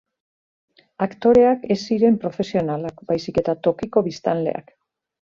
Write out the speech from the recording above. Aktoreak ez ziren profesionalak, baizik eta tokiko biztanleak.